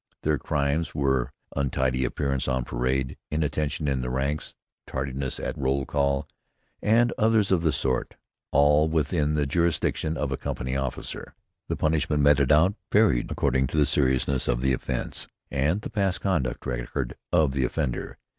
Their crimes were untidy appearance on parade, inattention in the ranks, tardiness at roll call, and others of the sort, all within the jurisdiction of a company officer. The punishment meted out varied according to the seriousness of the offense, and the past conduct record of the offender.